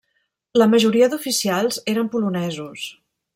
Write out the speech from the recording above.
La majoria d'oficials eren polonesos.